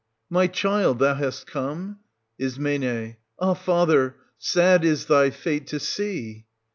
My child, thou hast come ? Is. Ah, father, sad is thy fate to see